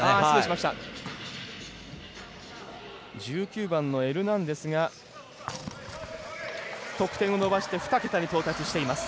１９番のエルナンデスが得点を伸ばして２桁に到達しています。